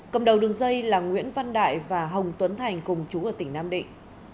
cầm đầu đường dây là nguyễn văn đại và hồng tuấn thành cùng chú ở tỉnh nam định